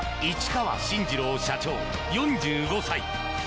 市川慎次郎社長、４５歳。